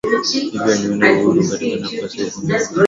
hivyo aliuondoa Uhuru katika nafasi ya kiongozi wa upinzani bungeni